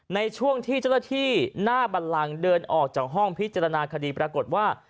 ในช่วงที่เจ้าหน้าที่หน้าบันลังเดินออกจากห้องพิจารณาคดีปรากฏว่า